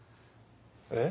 えっ？